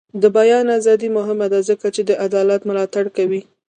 د بیان ازادي مهمه ده ځکه چې د عدالت ملاتړ کوي.